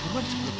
jangan lah jalanku